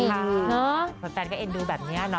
คุณแฟนก็เอ็นดูแบบนี้นะ